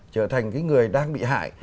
trở thành cái người đang bị hại